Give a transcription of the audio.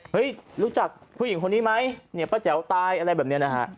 รู้จักผู้หญิงคนนี้ไหมเนี่ยป้าแจ๋วตายอะไรแบบนี้นะฮะ